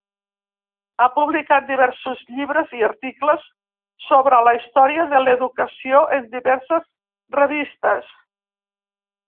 Ha publicat diversos llibres i articles sobre la història de l'educació en diverses revistes.